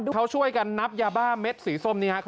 เขาช่วยกันนับยาบ้าเม็ดสีส้มนี้ครับ